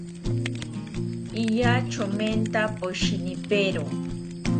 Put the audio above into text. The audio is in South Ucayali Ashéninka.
Iya chomenta poshinipero